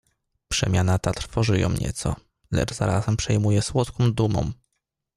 "Przemiana ta trwoży ją nieco, lecz zarazem przejmuje słodką dumą."